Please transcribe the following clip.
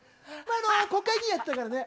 国会議員やってたからね。